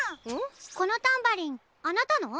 このタンバリンあなたの？